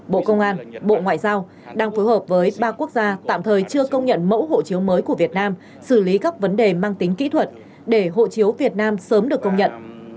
bộ công an bộ ngoại giao đang phối hợp với ba quốc gia tạm thời chưa công nhận mẫu hộ chiếu mới của việt nam xử lý các vấn đề mang tính kỹ thuật để hộ chiếu việt nam sớm được công nhận